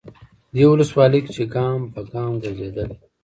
دې ولسوالۍ کې چې ګام به ګام ګرځېدلی،